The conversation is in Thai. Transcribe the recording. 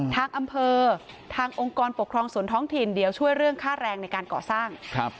ทางอำเภอทางองค์กรปกครองส่วนท้องถิ่นเดี๋ยวช่วยเรื่องค่าแรงในการก่อสร้างครับ